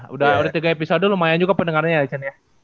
udah tiga episode lumayan juga pendengarnya ya